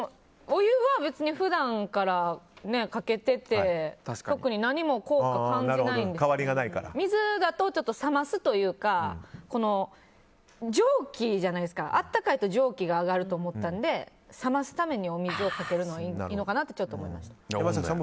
お湯は別に普段からかけていて特に何も効果を感じないんですけど水だと冷ますというか蒸気じゃないですか温かいと蒸気が上がると思ったので、冷ますためにお水をかけるのはいいのかなと思いました。